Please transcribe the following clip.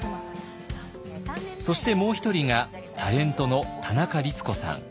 そしてもう一人がタレントの田中律子さん。